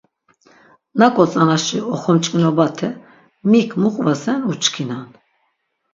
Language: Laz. Naǩo tzanaşi oxomç̌ǩinobate, mik mu qvasen uçkinan.